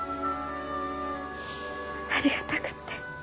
ありがたくって。